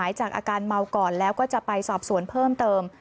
จากอาการเมาก่อนแล้วก็จะไปสอบสวนเพิ่มเติม